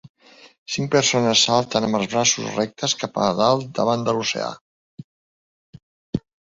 Cinc persones salten amb els braços rectes cap a dalt davant de l'oceà